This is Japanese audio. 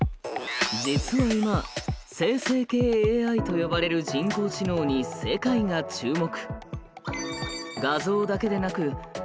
実は今「生成系ＡＩ」と呼ばれる人工知能に世界が注目。